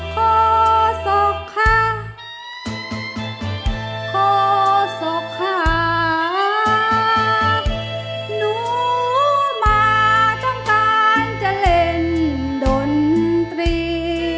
โทษค่ะโทษค่ะหนูมาต้องการจะเล่นดนตรี